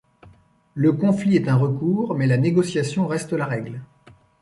Le conflit est un recours mais la négociation reste la règle.